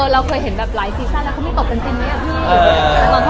เราเคยเห็นกับหลายซีซั่นแล้วเค้ามีตบเป็นจริงไหมอ่ะพี่